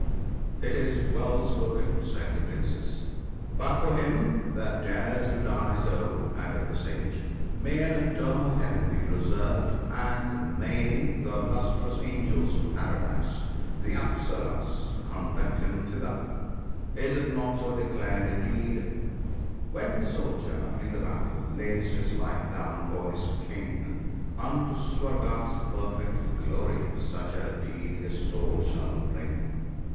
( 96 )" It is well spoken," said the Princes. "But for him that dares to die so," added the Sage, " may an eternal heaven be reserved, and may the lus WAR. 1 1 3 trous Angels of Paradise, the Apsarasas ( 97 ), conduct him thither ! Is it not so declared, indeed ?—" When the soldier in the battle lays his life down for his king, Unto Swarga's perfect glory such a deed his soul shall bring."